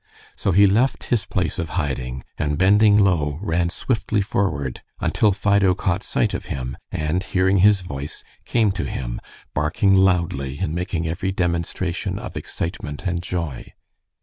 So he left his place of hiding, and bending low, ran swiftly forward until Fido caught sight of him, and hearing his voice, came to him, barking loudly and making every demonstration of excitement and joy.